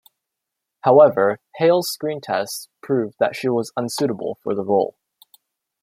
However, Hale's screen tests proved that she was unsuitable for the role.